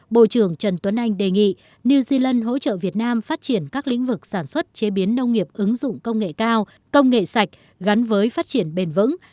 bộ trưởng trần tuấn anh đề nghị new zealand hỗ trợ việt nam phát triển các lĩnh vực sản xuất chế biến nông nghiệp ứng dụng công nghệ cao công nghệ sạch gắn với phát triển bền vững